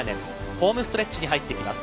ホームストレッチに入ってきます。